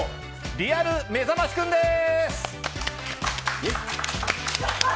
リアルめざましくんです。